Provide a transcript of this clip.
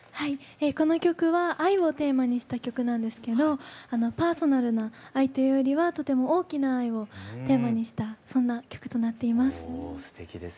この曲は愛をテーマにした曲なんですけどパーソナルな相手よりはとても大きな愛をテーマにしたそんな曲となっています。